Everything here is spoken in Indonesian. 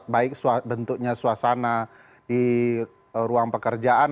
baik bentuknya suasana di ruang pekerjaan